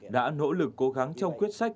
đã nỗ lực cố gắng trong quyết sách